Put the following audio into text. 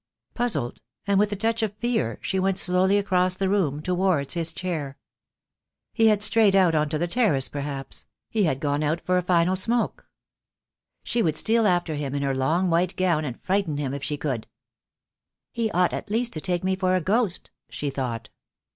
Puzzled, and with a touch of fear, she went slowly across the room towards his chair. He had strayed out on to the terrace perhaps — he had gone out for a final smoke. She would steal after him in her long white gown, and frighten him if she could. "He ought at least to take me for a ghost," she thought.